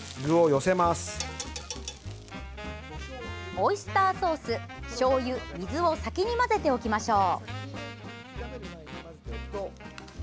オイスターソース、しょうゆ水を先に混ぜておきましょう。